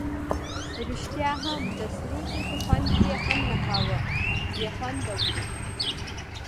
ریښتیا هم د سرو توتو خوند یې هم نه کاوه، بې خونده وو.